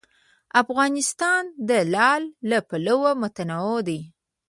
افغانستان د لعل له پلوه متنوع دی.